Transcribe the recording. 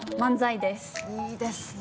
いいですね